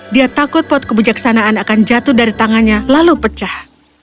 dia takut pot kebijaksanaan akan jatuh dari tangannya lalu pecah